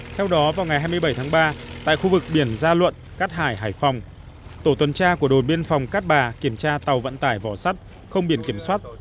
theo đó vào ngày hai mươi bảy tháng ba tại khu vực biển gia luận cát hải hải phòng tổ tuần tra của đồn biên phòng cát bà kiểm tra tàu vận tải vỏ sắt không biển kiểm soát